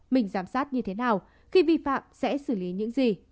mình giám sát như thế nào khi vi phạm sẽ xử lý những gì